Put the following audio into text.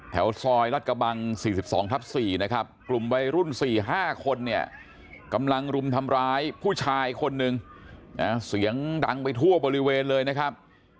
แถวซอยรัดกระบัง๔๒ทับ๔นะครับกลุ่มวัยรุ่น๔๕คนเนี่ยกำลังรุมทำร้ายผู้ชายคนนึงนะเสียงดังไปทั่วบริเวณเลยนะครับ